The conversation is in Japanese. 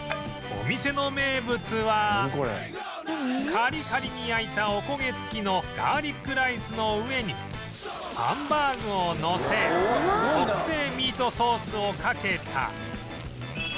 お店の名物はカリカリに焼いたおこげ付きのガーリックライスの上にハンバーグをのせ特製ミートソースをかけた